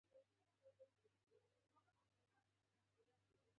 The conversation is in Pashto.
دا د الله د لویۍ نښې دي.